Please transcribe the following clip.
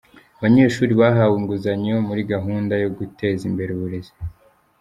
Abanyeshuri bahawe inguzanyo muri gahunda yo guteza imbere uburezi